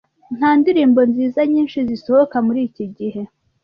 Nta ndirimbo nziza nyinshi zisohoka muri iki gihe.